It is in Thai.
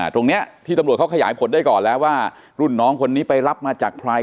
ตรงนี้ที่ตำรวจเขาขยายผลได้ก่อนแล้วว่ารุ่นน้องคนนี้ไปรับมาจากใคร